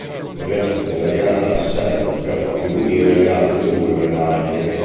Il resto della gara serve per attribuire le altre due medaglie.